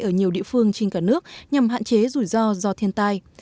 ở nhiều địa phương trên cả nước nhằm hạn chế rủi ro do thiên tai